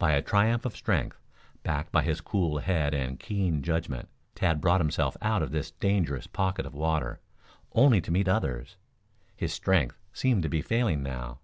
By a triumph of strength, backed by his cool head and keen judgment, Tad brought himself out of this dangerous pocket of water, only to meet others. His strength seemed to be failing now.